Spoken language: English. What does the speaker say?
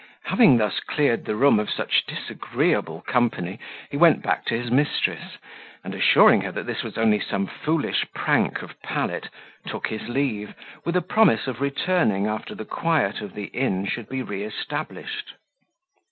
Having thus cleared the room of such disagreeable company, he went back to his mistress, and assuring her that this was only some foolish prank of Pallet, took his leave, with a promise of returning after the quiet of the inn should be re established.